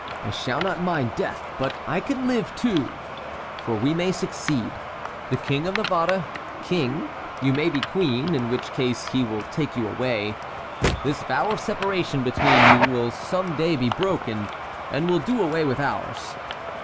I shall not mind death; but I can live, too, for we may succeed. The King of Navarre, king, you may be queen, in which case he will take you away. This vow of separation between you will some day be broken, and will do away with ours.